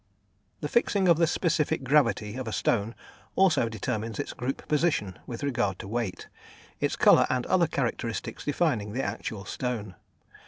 The fixing of the specific gravity of a stone also determines its group position with regard to weight; its colour and other characteristics defining the actual stone.